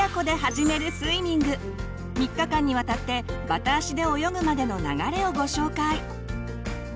３日間にわたってバタ足で泳ぐまでの流れをご紹介。